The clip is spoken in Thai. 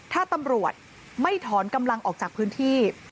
ถ้าตำรวจไม่ถอนกำลังออกจากพื้นที่